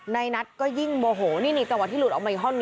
ในนัทก็ยิ่งโมโหนี่ตอนที่หลุดออกมาอีกห้องหนึ่ง